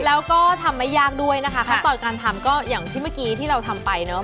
แล้วก็ทำไม่ยากด้วยนะคะขั้นตอนการทำก็อย่างที่เมื่อกี้ที่เราทำไปเนอะ